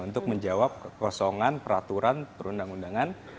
untuk menjawab kekosongan peraturan perundang undangan